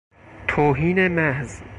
توهین محض